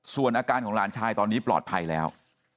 ส่วนอาการของหลานชายตอนนี้ปลอดภัยแล้ว